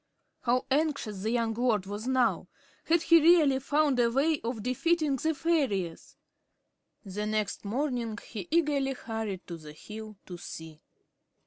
How anxious the young lord was now! Had he really found a way of defeating the fairies? The next morning he eagerly hurried to the hill to see.